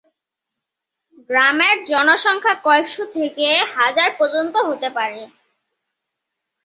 গ্রামের জনসংখ্যা কয়েকশো থেকে হাজার পর্যন্ত হতে পারে।